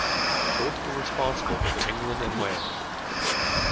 Both were responsible for England and Wales.